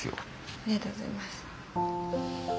ありがとうございます。